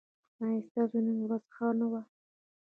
ایا ستاسو نن ورځ ښه نه وه؟